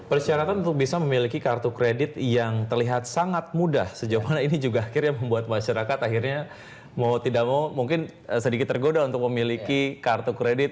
persyaratan untuk bisa memiliki kartu kredit yang terlihat sangat mudah sejauh mana ini juga akhirnya membuat masyarakat akhirnya mau tidak mau mungkin sedikit tergoda untuk memiliki kartu kredit